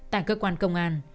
tại cơ quan công an